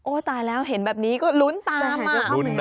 ตายแล้วเห็นแบบนี้ก็ลุ้นตามมา